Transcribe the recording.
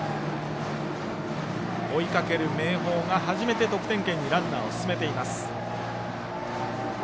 追いかける明豊が初めて得点圏にランナーを進めています。